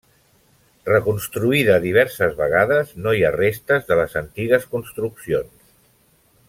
Reconstruïda diverses vegades, no hi ha restes de les antigues construccions.